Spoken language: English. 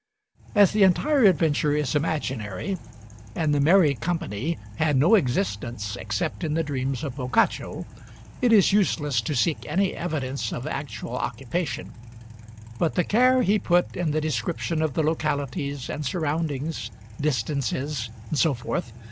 As the entire adventure is imaginary, and the "merry company" had no existence except in the dreams of Boccaccio, it is useless to seek any evidence of actual occupation; but the care he put in the description of the localities and surroundings, distances, etc.